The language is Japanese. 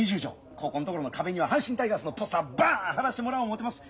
ここんところの壁には阪神タイガースのポスターバン貼らしてもらおう思てます。